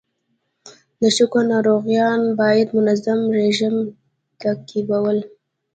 د شکر ناروغان باید منظم رژیم تعقیبول.